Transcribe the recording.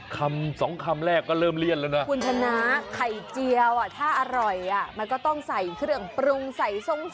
คำ๒คำแรกก็เริ่มเลี่ยนแล้วนะ